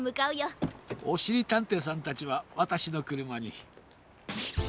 おしりたんていさんたちはわたしのくるまに。